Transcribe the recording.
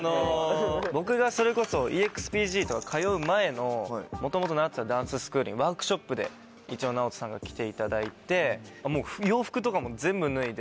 僕がそれこそＥＸＰＧとか通う前の元々習ってたダンススクールにワークショップで一度ＮＡＯＴＯさんが来ていただいてもう。